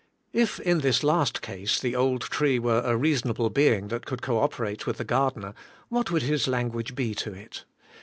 If, in this last case, the old tree were a reasonable being, that could co operate with the gardener, what would his language be to it?